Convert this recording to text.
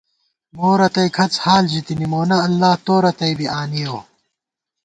مورتَئ کھڅ حال ژِتِنی ، مونہ اللہ تو رتئ بی آنِیَؤ